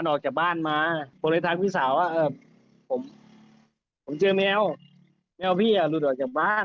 ออกจากบ้านมาผมเลยทักพี่สาวว่าผมผมเจอแมวแมวพี่อ่ะหลุดออกจากบ้าน